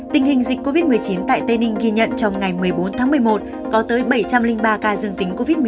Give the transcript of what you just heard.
tình hình dịch covid một mươi chín tại tây ninh ghi nhận trong ngày một mươi bốn tháng một mươi một có tới bảy trăm linh ba ca dương tính covid một mươi chín